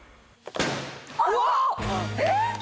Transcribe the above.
うわっ！